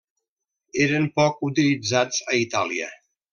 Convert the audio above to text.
Eren poc utilitzats a Itàlia.